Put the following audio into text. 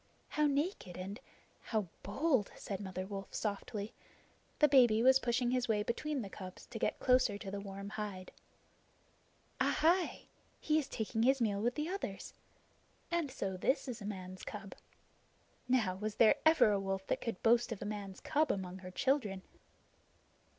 How naked, and how bold!" said Mother Wolf softly. The baby was pushing his way between the cubs to get close to the warm hide. "Ahai! He is taking his meal with the others. And so this is a man's cub. Now, was there ever a wolf that could boast of a man's cub among her children?"